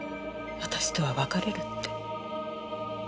私とは別れるって。